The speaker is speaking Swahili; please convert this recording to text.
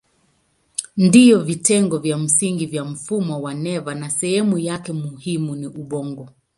Ndiyo vitengo vya msingi vya mfumo wa neva na sehemu yake muhimu ni ubongo.